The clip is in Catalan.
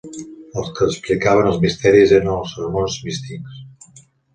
Els que explicaven els misteris eren els sermons místics.